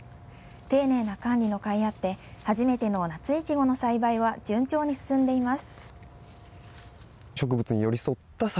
丁寧な管理のかいあって初めての夏いちごの栽培は順調に進んでいます。